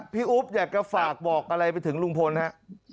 อุ๊บอยากจะฝากบอกอะไรไปถึงลุงพลฮะ